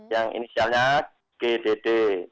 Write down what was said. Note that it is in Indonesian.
yang inisialnya gdd